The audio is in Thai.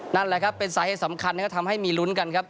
นั่นแหละครับเป็นสาเหตุสำคัญนะครับทำให้มีลุ้นกันครับ